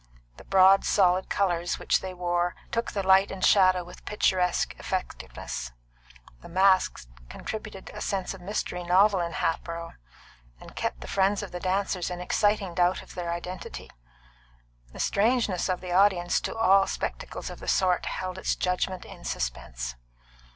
The broad solid colours which they wore took the light and shadow with picturesque effectiveness; the masks contributed a sense of mystery novel in Hatboro', and kept the friends of the dancers in exciting doubt of their identity; the strangeness of the audience to all spectacles of the sort held its judgment in suspense.